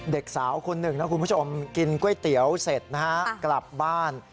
เด็กสาวคนหนึ่งนะคุณผู้ชมกินก๋วยเตี๋ยวเสร็จนะฮะกลับบ้าน